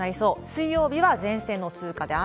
水曜日は前線の通過で雨。